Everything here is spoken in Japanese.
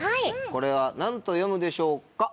これは何と読むでしょうか？